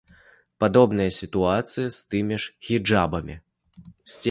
Падобная сітуацыя з тымі ж хіджабамі.